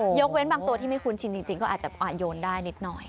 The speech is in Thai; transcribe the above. ยกเว้นบางตัวที่ไม่คุ้นชินจริงก็อาจจะโยนได้นิดหน่อย